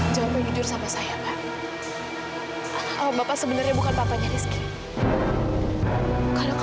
berarti bapaknya rizky